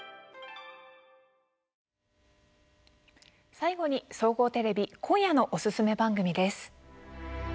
最後に総合テレビ今夜のおすすめ番組です。